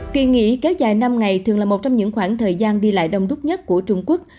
kỳ nghỉ kéo dài năm ngày thường là một trong những khoảng thời gian đi lại đông đúc nhất của trung quốc